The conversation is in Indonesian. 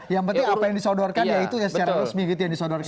yang penting apa yang disodorkan ya itu ya secara resmi gitu yang disodorkan